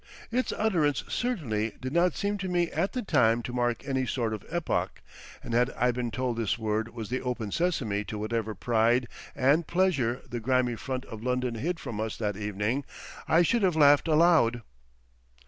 Its utterance certainly did not seem to me at the time to mark any sort of epoch, and had I been told this word was the Open Sesame to whatever pride and pleasure the grimy front of London hid from us that evening, I should have laughed aloud.